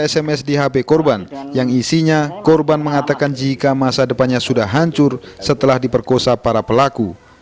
sms di hp korban yang isinya korban mengatakan jika masa depannya sudah hancur setelah diperkosa para pelaku